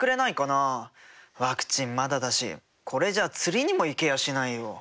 ワクチンまだだしこれじゃあ釣りにも行けやしないよ。